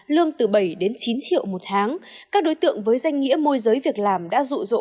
lương từ bảy đến chín triệu một tháng các đối tượng với danh nghĩa môi giới việc làm đã rụ rỗ